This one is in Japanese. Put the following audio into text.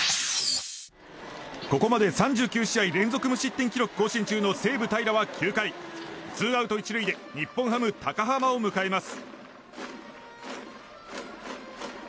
ここまで３９試合連続無失点記録を更新中の西武、平良は９回ツーアウト、１塁で日本ハム、高濱を迎えます。